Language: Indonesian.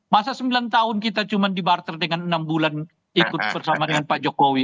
masa sembilan tahun kita cuma dibarter dengan enam bulan ikut bersama dengan pak jokowi